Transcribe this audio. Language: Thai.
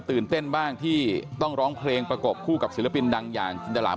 ตื่นเต้นบ้างที่ต้องร้องเพลงประกบคู่กับศิลปินดังอย่างจินดารา